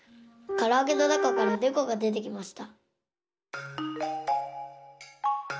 からあげのなかからねこがでてきました。